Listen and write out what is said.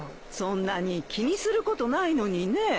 そんなに気にすることないのにね。